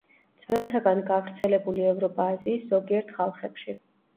ძველთაგან გავრცელებული ევროპა-აზიის ზოგიერთ ხალხებში.